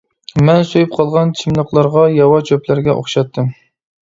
مەن سۆيۈپ قالغان چىملىقلارغا ياۋا چۆپلەرگە ئوخشاتتىم.